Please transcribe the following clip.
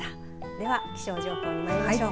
では気象情報にまいりましょう。